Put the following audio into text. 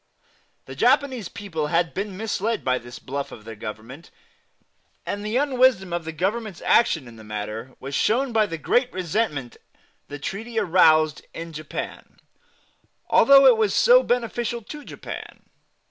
The Japanese people had been misled by this bluff of their Government; and the unwisdom of the Government's action in the matter was shown by the great resentment the treaty aroused in Japan, although it was so beneficial to Japan.